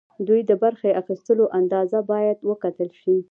دوی د برخې اخیستلو اندازه باید وکتل شي.